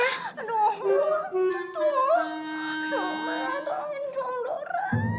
aduh oma tolongin dong dora